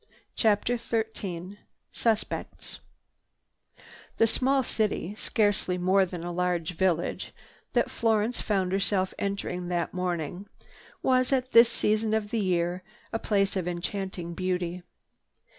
CHAPTER XIII SUSPECTS The small city—scarcely more than a large village—that Florence found herself entering that morning was, at this season of the year, a place of enchanting beauty.